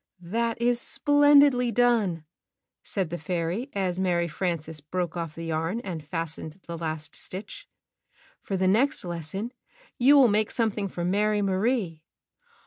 "That is splendidly done," said the fairy as Mary Frances broke off the yarn and fastened the last stitch. ''For the next lesson you will make some thing for Mary Marie."